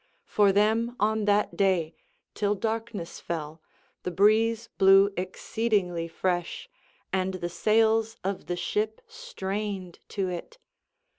For them on that day, till darkness fell, the breeze blew exceedingly fresh, and the sails of the ship strained to it.